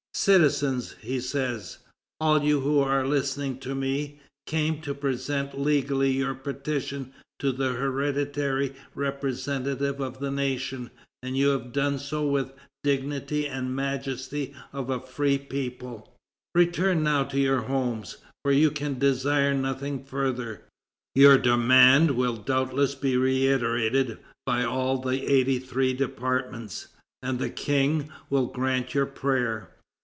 "Citizens," he says, "all you who are listening to me, came to present legally your petition to the hereditary representative of the nation, and you have done so with the dignity and majesty of a free people; return now to your homes, for you can desire nothing further. Your demand will doubtless be reiterated by all the eighty three departments, and the King will grant your prayer.